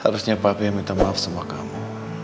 harusnya papi yang minta maaf sama kamu